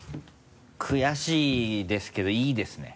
悔しいですけどいいですね。